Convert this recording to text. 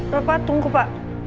lupa tunggu pak